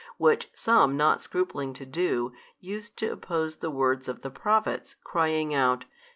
Which some not scrupling to do, used to oppose the words of the Prophets, crying out.